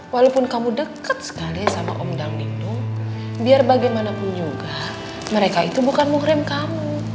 walaupun kamu deket sekali sama om danglindung biar bagaimanapun juga mereka itu bukan muhrem kamu